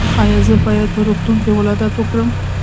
ایا زه باید په روغتون کې ولادت وکړم؟